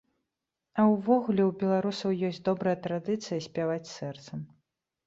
А ўвогуле, у беларусаў ёсць добрая традыцыя спяваць сэрцам.